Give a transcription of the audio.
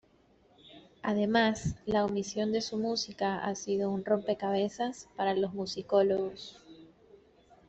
Además, la omisión de su música ha sido un rompecabezas para los musicólogos.